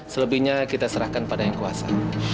selebihnya kita serahkan pada yang kuasa